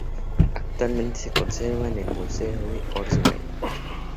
Actualmente se conserva en el museo de Orsay.